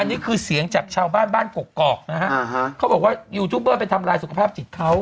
อันนี้คือเสียงจากชาวบ้านบ้านกกอกนะฮะเขาบอกว่ายูทูบเบอร์ไปทำลายสุขภาพจิตเขา